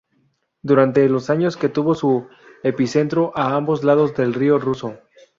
Durante los años que tuvo su epicentro a ambos lados del Río Ruso.